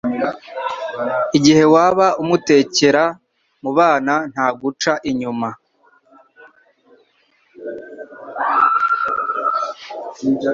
igihe waba umutekera mubana ntaguca inyuma